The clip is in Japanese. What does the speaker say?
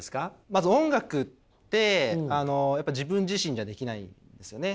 まず音楽ってやっぱ自分自身じゃできないんですよね。